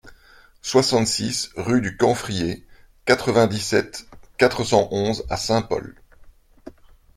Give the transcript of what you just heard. soixante-six rue du Camphrier, quatre-vingt-dix-sept, quatre cent onze à Saint-Paul